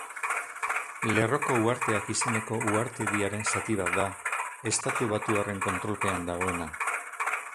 Lerroko uharteak izeneko uhartediaren zati bat da, estatubatuarren kontrolpean dagoena.